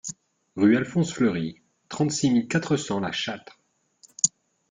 Rue Alphonse Fleury, trente-six mille quatre cents La Châtre